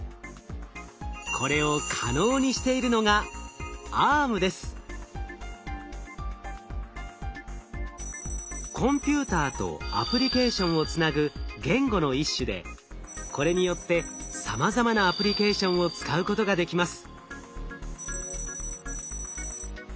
これを可能にしているのがコンピューターとアプリケーションをつなぐ言語の一種でこれによってさまざまなアプリケーションを使うことができます。